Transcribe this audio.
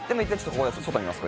ここで外見ます